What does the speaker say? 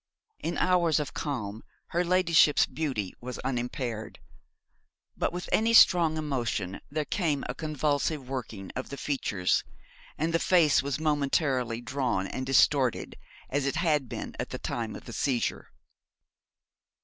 In hours of calm her ladyship's beauty was unimpaired; but with any strong emotion there came a convulsive working of the features, and the face was momentarily drawn and distorted, as it had been at the time of the seizure.